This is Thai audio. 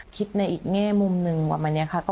คิดในอีกแง่มุมนึงกว่ามาเนี่ยค่ะ